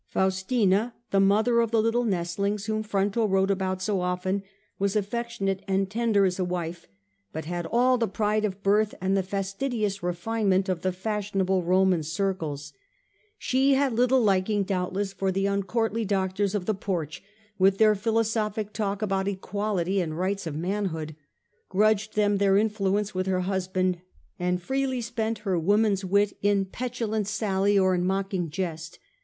Faustina, the mother of the little nestlings whom Fronto wrote about so often, was affectionate and tender as a wife, but had all the pride of birth and the fastidious refinement of the fashionable Roman circles. She had 147 1 8o. Marcus Aurelms A ntofliniis. 87 little liking doubtless for the uncourtly doctors of the Porch, with their philosophic talk about equality and rights of manhood, grudged them their influence with her hus band, and freely spent her woman^s wit in petulant sally or in mocking jest.